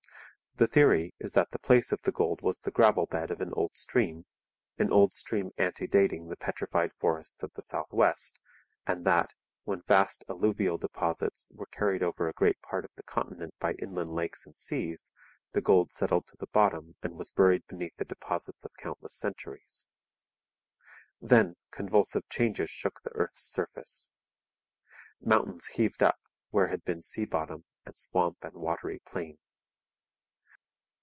The theory is that the place of the gold was the gravel bed of an old stream, an old stream antedating the petrified forests of the South west, and that, when vast alluvial deposits were carried over a great part of the continent by inland lakes and seas, the gold settled to the bottom and was buried beneath the deposits of countless centuries. Then convulsive changes shook the earth's surface. Mountains heaved up where had been sea bottom and swamp and watery plain.